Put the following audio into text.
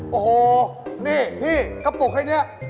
โอ้โหนี่พี่กระปุกให้เนี่ย